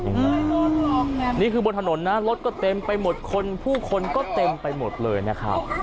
โอ้โหแบบนี้คือบนถนนนะรถก็เต็มไปหมดคนผู้คนก็เต็มไปหมดเลยนะครับ